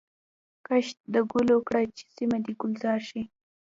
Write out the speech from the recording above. کښت د ګلو کړه چي سیمه دي ګلزار سي